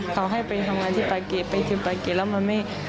เขาให้ไปทำงานที่ปากเกร็ดไปที่ปากเกร็ดแล้วมันไม่